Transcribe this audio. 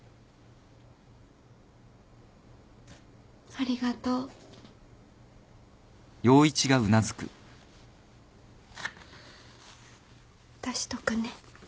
ありがとう。出しとくね。